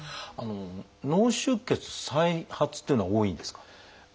脳出血再発というのは多いんですか？